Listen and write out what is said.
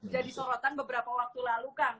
jadi sorotan beberapa waktu lalu kang